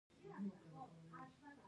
چې څنګه یو هیواد بدلیدلی شي.